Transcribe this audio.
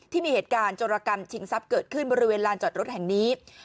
ที่มีเหตุการณ์โจรกรรมชิงทรัพย์เกิดขึ้นบริเวณลานจอดรถแห่งนี้